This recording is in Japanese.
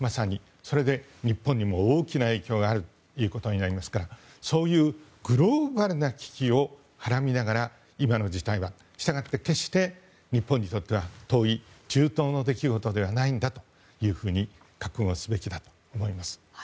日本にも大きな影響があるということになりますからそういうグローバルな危機をはらみながらしたがって日本にとっては遠い中東の出来事ではないんだというふうに覚悟するべきだと思います。